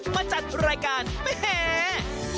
มาจัดรายการของดีเจโจ่